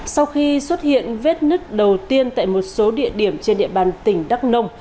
sau khi xuất hiện vết nứt đầu tiên tại một số địa điểm trên địa bàn tỉnh đắk nông